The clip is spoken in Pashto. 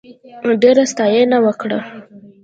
ډېره ستاینه وکړه.